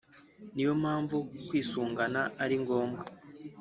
ni yo mpamvu kwisungana ari ngombwa